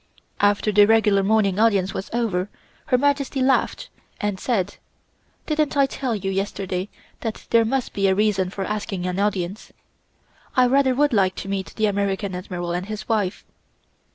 After the regular morning audience was over Her Majesty laughed and said: "Didn't I tell you yesterday that there must be a reason for asking an audience? I rather would like to meet the American Admiral and his wife."